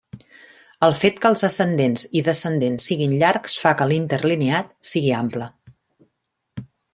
El fet que els ascendents i descendents siguin llargs fa que l'interlineat sigui ample.